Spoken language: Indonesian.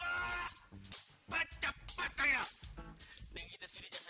bila emangarta ada yang ingin ngeirimannya